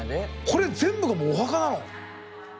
これ全部がお墓なの？